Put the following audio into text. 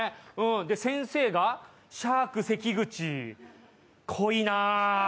で、先生がシャーク関口、濃いな。